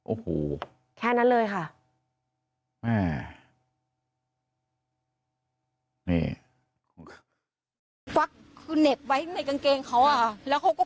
โอ้โห